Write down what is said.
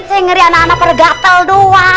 saya ngeri anak anak bergatal doang